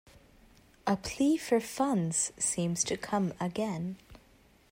A plea for funds seems to come again.